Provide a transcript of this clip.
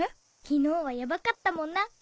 昨日はヤバかったもんな。